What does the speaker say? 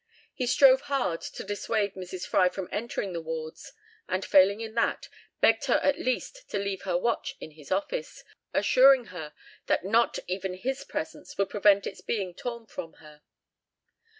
He strove hard to dissuade Mrs. Fry from entering the wards, and failing in that, begged her at least to leave her watch in his office, assuring her that not even his presence would prevent its being torn from her.